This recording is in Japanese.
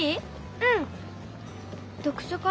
うん。